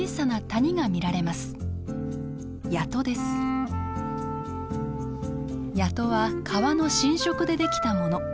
谷戸は川の浸食でできたもの。